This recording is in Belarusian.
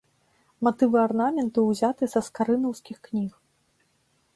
Матывы арнаменту ўзяты са скарынаўскіх кніг.